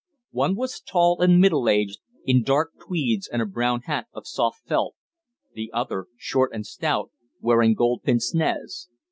One was tall and middle aged, in dark tweeds and a brown hat of soft felt; the other, short and stout, wearing gold pince nez.